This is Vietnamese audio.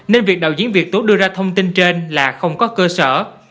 nên việc đạo diễn việt tú đưa ra thông tin trên là không có cơ sở